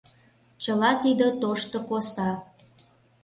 — Чыла тиде тошто коса.